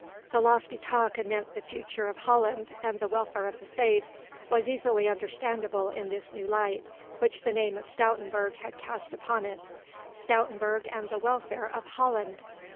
The lofty talk anent the future of Holland and the welfare of the Faith was easily understandable in this new light which the name of Stoutenburg had cast upon it. Stoutenburg and the welfare of Holland!